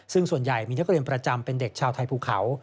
ซึ่งส่วนใหญ่มีนักเรียนประจำเป็นเด็กชาวไทยภูเขา